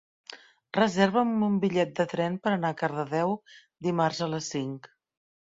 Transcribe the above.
Reserva'm un bitllet de tren per anar a Cardedeu dimarts a les cinc.